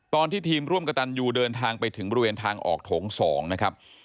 ตอนที่ทีมร่วมกระตันยูเดินทางไปถึงบริเวณทางออกโถง๒นะครับ